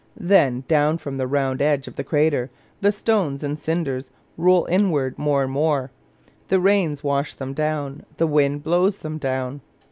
Then, down from the round edge of the crater the stones and cinders roll inward more and more. The rains wash them down, the wind blows them down.